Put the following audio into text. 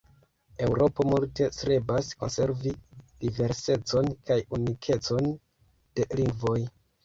Eŭropo multe strebas konservi diversecon kaj unikecon de lingvoj.